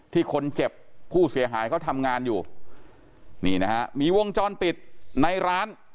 ที่คนเจ็บผู้เสียหายเขาทำงานอยู่นี่นะฮะมีวงจรปิดในร้าน